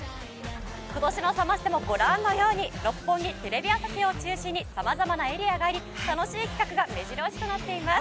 今年のサマステもご覧のように六本木・テレビ朝日を中心に様々なエリアがあり楽しい企画が目白押しとなっています。